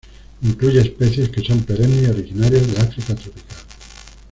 Incluye especies, que son perennes y originarias de África tropical.